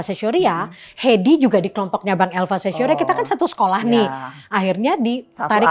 sejuri ya hedy juga di kelompoknya bang elva sejuri kita satu sekolah nih akhirnya di tarik